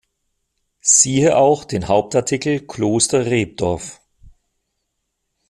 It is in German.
Siehe auch den Hauptartikel Kloster Rebdorf.